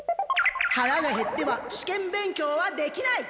はらがへっては試験勉強はできない！